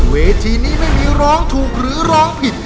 เวทีนี้ไม่มีร้องถูกหรือร้องผิด